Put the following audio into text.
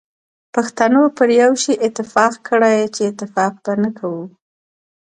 پښتنو پر یو شی اتفاق کړی چي اتفاق به نه کوو.